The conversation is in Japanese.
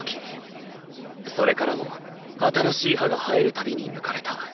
それからも新しい歯が生えるたびに抜かれた。